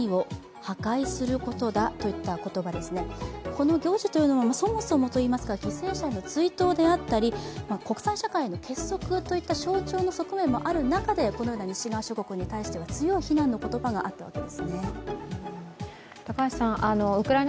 この行事は、そもそも犠牲者の追悼であったり国際社会の結束という象徴の側面がある中でこのような西側諸国に対して強い非難の言葉があったわけです。